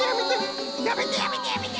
やめてやめてやめて！